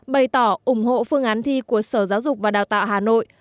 bày tỏ ủng hộ phương án thi của sở giáo dục và đào tạo hà nội